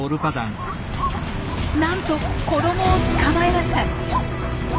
なんと子どもを捕まえました！